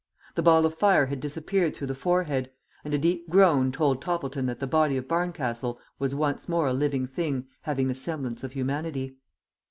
The ball of fire had disappeared through the forehead, and a deep groan told Toppleton that the body of Barncastle was once more a living thing having the semblance of humanity.